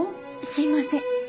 すいません。